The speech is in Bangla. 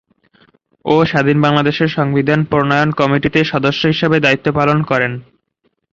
ও স্বাধীন বাংলাদেশের সংবিধান প্রণয়ন কমিটিতে সদস্য হিসাবে দায়িত্ব পালন করেন।।